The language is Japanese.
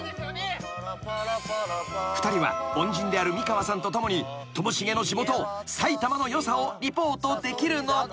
［２人は恩人である美川さんと共にともしげの地元埼玉のよさをリポートできるのか？］